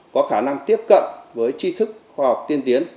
có khả năng tiếp cận với chi thức khoa học tiên tiến